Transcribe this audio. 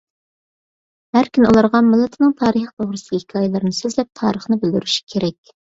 ھەر كۈنى ئۇلارغا مىللىتىنىڭ تارىخى توغرىسىدىكى ھېكايىلەرنى سۆزلەپ، تارىخنى بىلدۈرۈشى كېرەك.